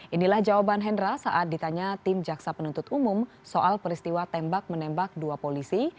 inilah jawaban hendra saat ditanya tim jaksa penuntut umum soal peristiwa tembak menembak dua polisi